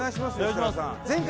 設楽さん